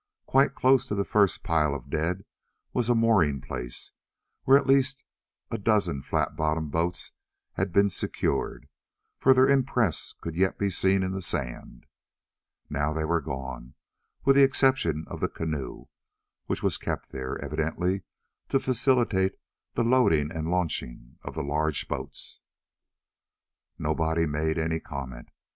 Quite close to the first pile of dead was a mooring place where at least a dozen flat bottomed boats had been secured, for their impress could yet be seen in the sand. Now they were gone with the exception of the canoe, which was kept there, evidently to facilitate the loading and launching of the large boats. Nobody made any comment.